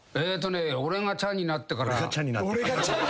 「俺が茶になってから」